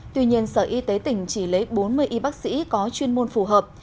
tuy nhiên sở y tế tỉnh chỉ lấy bốn mươi y bác sĩ có chuyên môn phù hợp